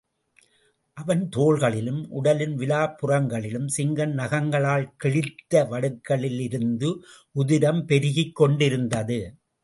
அவன் தோள்களிலிலும், உடலின் விலாப்புறங்களிலும் சிங்கம் நகங்களால் கிழித்த வடுக்களிலிருந்து உதிரம் பெருகிக் கொண்டிருந்தது.